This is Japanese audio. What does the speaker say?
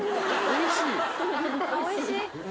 おいしい。